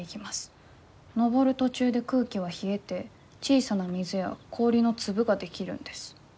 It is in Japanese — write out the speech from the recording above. のぼる途中で空気は冷えて小さな水や氷のつぶができるんです」。